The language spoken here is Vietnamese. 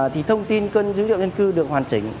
thì thông tin cân dữ liệu dân cư được hoàn chỉnh